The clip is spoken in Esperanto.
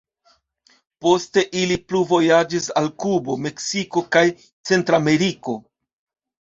Poste ili plu vojaĝis al Kubo, Meksiko kaj Centrameriko.